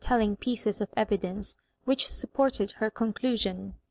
tell ing pieces of evidence which supported her oon dusipn.